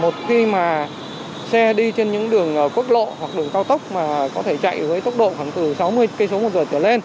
một khi mà xe đi trên những đường quốc lộ hoặc đường cao tốc mà có thể chạy với tốc độ khoảng từ sáu mươi kmh